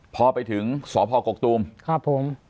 พอไปถึงสพกกตูมครับผม